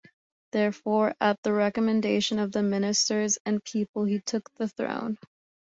Therefore, at the recommendation of the ministers and people, he took the throne.